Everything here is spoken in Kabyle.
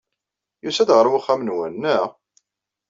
Yusa-d ɣer uxxam-nwen, naɣ?